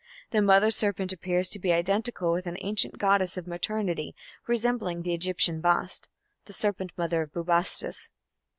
The Mother Serpent appears to be identical with an ancient goddess of maternity resembling the Egyptian Bast, the serpent mother of Bubastis.